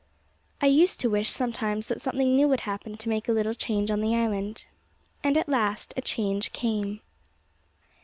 I used to wish sometimes that something new would happen to make a little change on the island. And at last a change came.